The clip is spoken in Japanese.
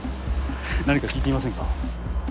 何か聞いていませんか？